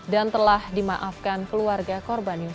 dan telah dimaafkan keluarga korban joshua